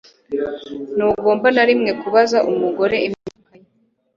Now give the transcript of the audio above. Ntugomba na rimwe kubaza umugore imyaka ye